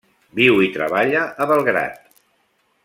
Viu i treballa a Belgrad.